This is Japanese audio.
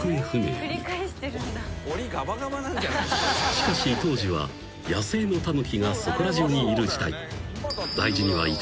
［しかし当時は野生のタヌキがそこら中にいる時代］